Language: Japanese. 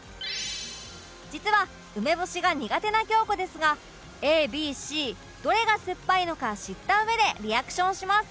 実は梅干しが苦手な京子ですが ＡＢＣ どれが酸っぱいのか知ったうえでリアクションします